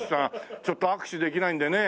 ちょっと握手できないんでね